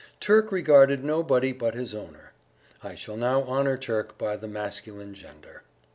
Turk regarded nobody but his owner. (I shall now honour Turk by the masculine gender.)